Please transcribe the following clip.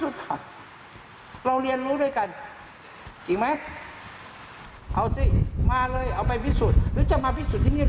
ยกคล้องแหลบไปเลยก็ได้